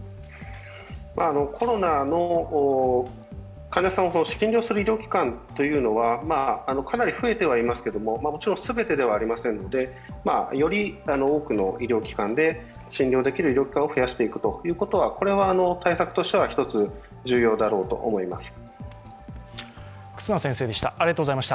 コロナの患者さんを診療する医療機関はかなり増えて射這いますがもちろん全てではありませんので、より多くの医療機関で診療できる医療機関を増やしていくこと、これは対策としては１つ、重要だろうと思います。